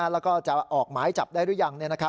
แล้วก็จะออกหมายจับได้หรือยัง